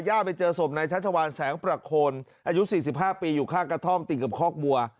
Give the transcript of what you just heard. ไปเจอศพนายชัชวานแสงประโคนอายุ๔๕ปีอยู่ข้างกระท่อมติดกับคอกบัว